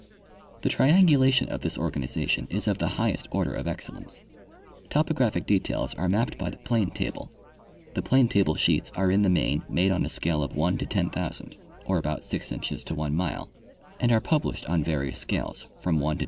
The triangulation of this organization is of the highest order of excellence. Topographic details are mapped by the plane table. The planetable sheets are in the main made on a scale of 1 : 10,000, or about 6 inches to 1 mile, and are published on Federal Surveys by civil Bureaus.